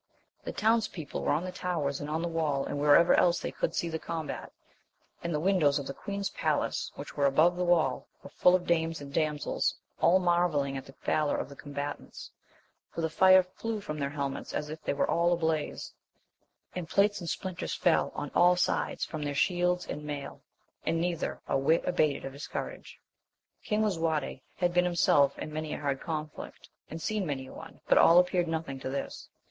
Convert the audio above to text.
The town's people were on the towers and on the wall and wherever else they could see the combat, and the windows of the queen*s palace, which were above the wall, were full of dames and damsels, all marvelling at the valour of the com batants, for the fire flew from their helmets as if they were all ablaze, and plates and splinters fell on all sides from their shields and mail, and neither a whit abated of his courage. King Lisuarte had been him self in many a hard conflict and seen many a one, but all appeared nothing to this.